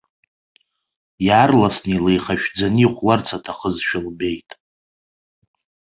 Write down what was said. Иаарласны илеихашәӡаны ихәларц иҭахызшәа лбеит.